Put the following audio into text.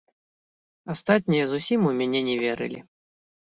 Астатнія зусім у мяне не верылі.